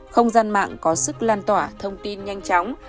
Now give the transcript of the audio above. không gian mạng có sức lan tỏa thông tin nhanh chóng